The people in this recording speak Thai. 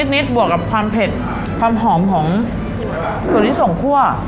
นิดบวกกับความเผ็ดความหอมของส่วนที่ส่งคั่ว